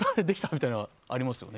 みたいなのはありましたね。